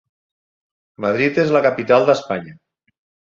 Madrid és la capital d'Espanya.